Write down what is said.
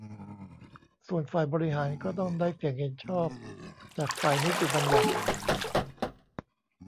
ส่วนฝ่ายบริหารก็ต้องได้เสียงเห็นชอบจากฝ่ายนิติบัญญัติ